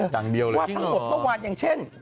วาดทั้งหมดเมื่อวานอย่างเช่น